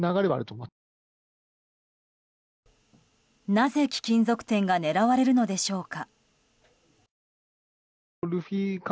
なぜ、貴金属店が狙われるのでしょうか。